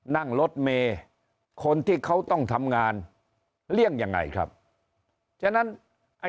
นั่งรถเมย์คนที่เขาต้องทำงานเลี่ยงยังไงครับฉะนั้นไอ้